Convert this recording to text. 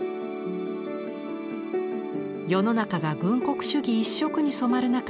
世の中が軍国主義一色に染まる中